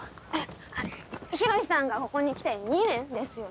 あ洋さんがここに来て２年ですよね？